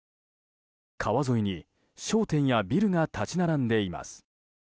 川沿いに商店やビルが立ち並んでいます。